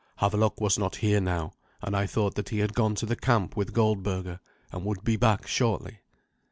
Havelok was not here now, and I thought that he had gone to the camp with Goldberga, and would be back shortly.